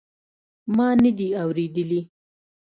ما ندي اورېدلي.